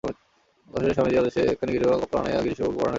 অবশেষে স্বামীজীর আদেশে একখানি গেরুয়া কাপড় আনাইয়া গিরিশবাবুকে পরান হইল।